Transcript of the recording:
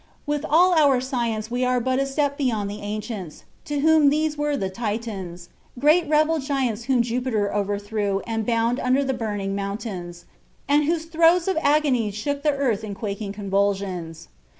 With all our science we are but a step beyond the ancients, to whom these were the Titans, great rebel giants whom Jupiter overthrew and bound under the burning mountains, and whose throes of agony shook the earth in quaking convulsions.